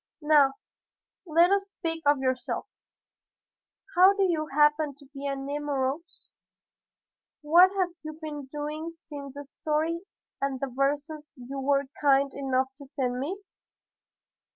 Now, let us speak of yourself. How do you happen to be at Nemours? What have you been doing since the story and the verses you were kind enough to send me?"